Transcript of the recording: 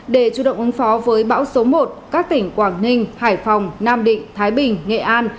để chủ động ứng phó với bão số một các tỉnh quảng ninh hải phòng nam định thái bình nghệ an